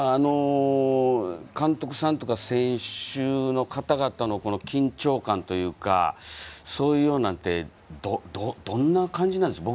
監督さんとか選手の方々の緊張感というかそういうようなものってどんな感じですか。